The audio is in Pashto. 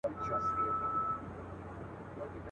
په دې پانوس کي نصیب زر ځله منلی یمه.